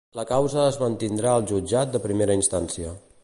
La causa es mantindrà al jutjat de primera instància